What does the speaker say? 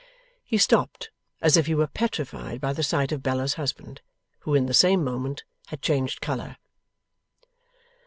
He stopped as if he were petrified by the sight of Bella's husband, who in the same moment had changed colour.